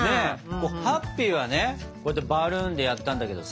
「ＨＡＰＰＹ」はねこうやってバルーンでやったんだけどさ。